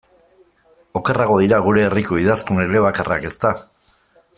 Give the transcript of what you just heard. Okerrago dira gure herriko idazkun elebakarrak, ezta?